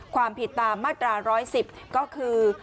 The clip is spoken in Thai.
ความผิดตามมาตรา๑๑๐ก็คือ